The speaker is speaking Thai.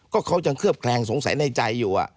ก็เขายังเคลือบแคลงสงสัยในใจอยู่